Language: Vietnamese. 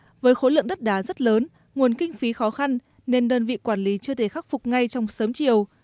tuy nhiên với khối lượng đất đá rất lớn nguồn kinh phí khó khăn nên đơn vị quản lý chưa thể khắc phục ngay trong sớm chiều